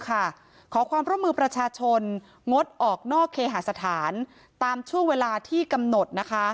ขอความร่วมมือประชาชนงดออกนอกเคหาสถานตามช่วงเวลาที่กำหนด